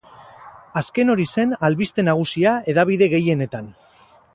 Azken hori zen albiste nagusia hedabide gehienetan.